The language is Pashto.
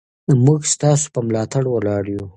موږ ستاسو په ملاتړ ولاړ یو.